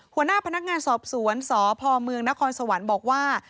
หัวหน้าพนักงานสอบสวนสพเมืองนครสวรรค์บอกว่า